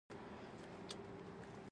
په تیرو پنځو لسیزو کې